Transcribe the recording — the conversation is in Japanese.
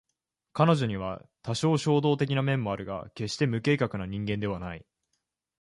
彼女には多少衝動的な面もあるが決して無計画な人間ではない